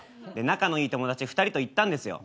仲のいい友達２人と行ったんですよ。